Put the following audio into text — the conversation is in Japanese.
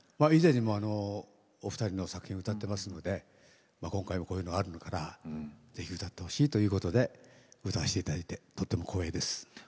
以前にもお二人の作品を歌ってますので今回もこういうのあるからぜひ歌ってほしいということで歌わせていただいてとても光栄です。